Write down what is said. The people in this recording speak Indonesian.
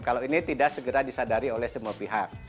kalau ini tidak segera disadari oleh semua pihak